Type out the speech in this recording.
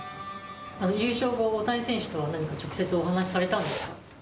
優勝後、大谷選手と何か直接お話されたんですか？